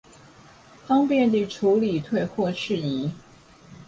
方便地處理退貨事宜